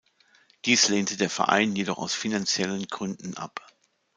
Dies lehnte der Verein jedoch aus finanziellen Gründen ab.